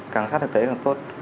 càng sát thực tế càng tốt